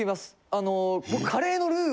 あの僕。